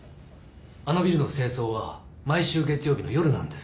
あのビルの清掃は毎週月曜日の夜なんですよ。